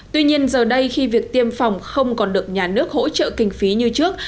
tuy nhiên giờ đây khi việc tiêm phòng không còn được nhà nước hỗ trợ kinh phí như trước